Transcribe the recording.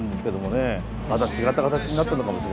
また違った形になったのかもしれませんね。